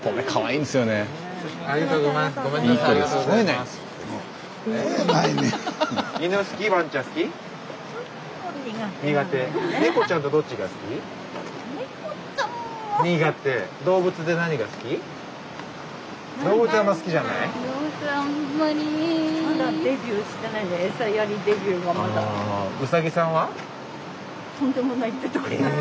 とんでもないってとこ。